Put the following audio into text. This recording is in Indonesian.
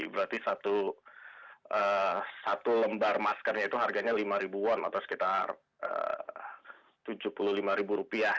berarti satu lembar maskernya itu harganya lima ribu won atau sekitar tujuh puluh lima ribu rupiah